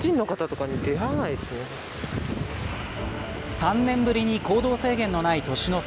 ３年ぶりに行動制限のない年の瀬。